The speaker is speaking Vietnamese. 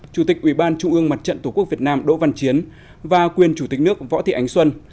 chủ tịch ubnd tqvn đỗ văn chiến và quyền chủ tịch nước võ thị ánh xuân